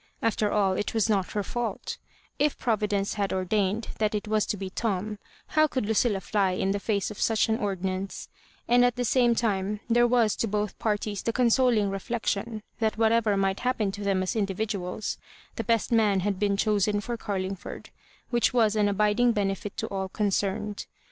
After all, it was not her &ult If Providence bad ordained that it was to be Tom, how could Lucilla fly in the face of such an ordinance; and, at the same time, there was to both parties the consoling reflection, that whatever might happen to them as individuals, the best man bad been chosen for Garlingford, which was an abiding benefit to all concerned.